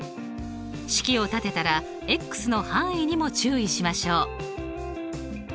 式を立てたらの範囲にも注意しましょう。